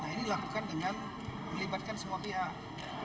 nah ini dilakukan dengan melibatkan semua pihak